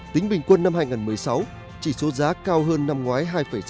tính bình quân năm hai nghìn một mươi sáu chỉ số giá cao hơn năm ngoái hai sáu mươi sáu